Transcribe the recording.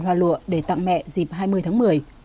hoa lụa để tặng mẹ dịp hai mươi tháng một mươi